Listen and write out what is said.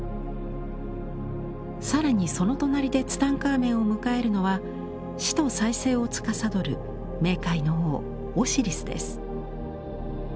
更にその隣でツタンカーメンを迎えるのは死と再生をつかさどる冥界の王オシリスです。